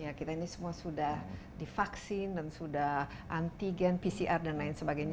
ya kita ini semua sudah divaksin dan sudah antigen pcr dan lain sebagainya